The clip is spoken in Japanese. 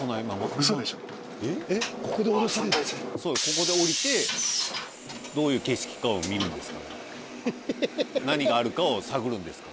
ここで降りてどういう景色かを見るんです。